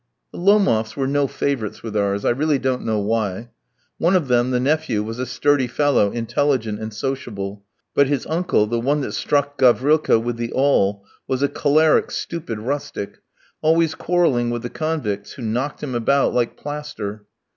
The Lomofs were no favourites with us, I really don't know why. One of them, the nephew, was a sturdy fellow, intelligent and sociable; but his uncle, the one that struck Gavrilka with the awl, was a choleric, stupid rustic, always quarrelling with the convicts, who knocked him about like plaster.